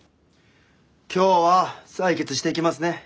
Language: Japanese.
今日は採血していきますね。